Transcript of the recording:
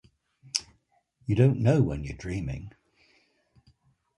You don't know when you're dreaming